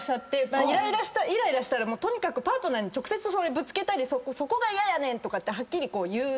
イライラしたらとにかくパートナーに直接それぶつけたり「そこが嫌やねん！」とかってはっきり言うっていう。